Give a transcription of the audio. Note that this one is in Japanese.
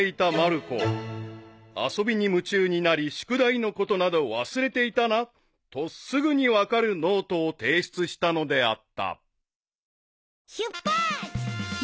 ［遊びに夢中になり宿題のことなど忘れていたなとすぐに分かるノートを提出したのであった］